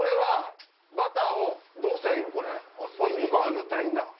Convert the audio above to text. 塗ったらいいんだ！